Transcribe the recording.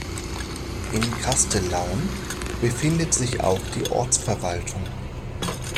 In Kastellaun befindet sich auch die Ortsverwaltung.